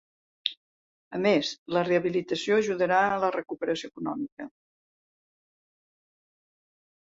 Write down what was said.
A més, la rehabilitació ajudarà a la recuperació econòmica.